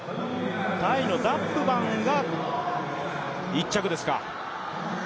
タイのダップバンが１着ですか。